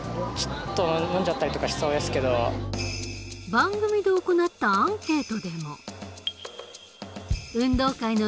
番組で行ったアンケートでも。などの声が。